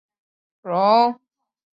容易辨识猎户座与北极星